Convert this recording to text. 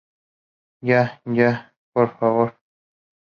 ya. ya, por favor.